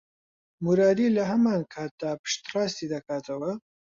مورادی لە هەمان کاتدا پشتڕاستی دەکاتەوە